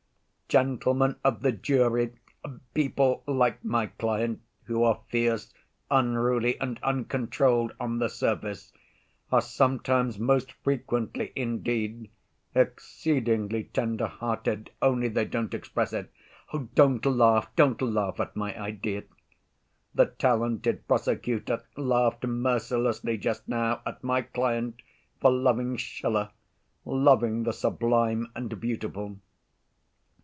"Gentlemen of the jury, people like my client, who are fierce, unruly, and uncontrolled on the surface, are sometimes, most frequently indeed, exceedingly tender‐hearted, only they don't express it. Don't laugh, don't laugh at my idea! The talented prosecutor laughed mercilessly just now at my client for loving Schiller—loving the sublime and beautiful!